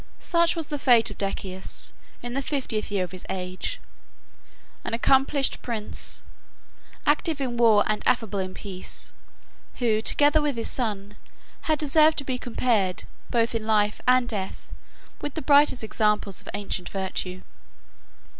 47 Such was the fate of Decius, in the fiftieth year of his age; an accomplished prince, active in war and affable in peace; 48 who, together with his son, has deserved to be compared, both in life and death, with the brightest examples of ancient virtue.